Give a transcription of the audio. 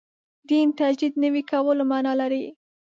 دین تجدید نوي کولو معنا لري.